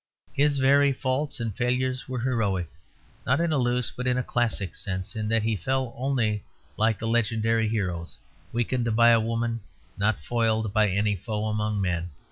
His very faults and failures were heroic, not in a loose but in a classic sense; in that he fell only like the legendary heroes, weakened by a woman, not foiled by any foe among men.